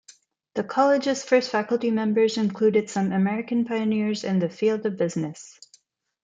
The college's first faculty members included some American pioneers in the field of business.